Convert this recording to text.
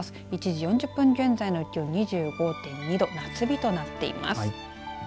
１時４０分現在の気温２５．２度夏日となっています。